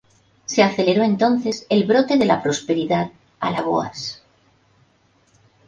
Se aceleró entonces el brote de la prosperidad Alagoas.